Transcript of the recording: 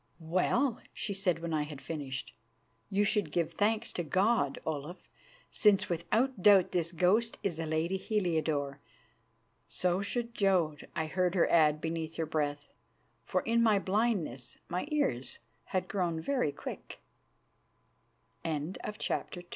"Well," she said when I had finished, "you should give thanks to God, Olaf, since without doubt this ghost is the lady Heliodore. So should Jodd," I heard her add beneath her breath, for in my blindness my ears had grown very quick. CHAPTER III THE